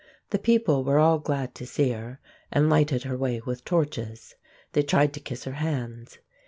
The people were all glad to see her, and lighted her way with torches. They tried to kiss her hands.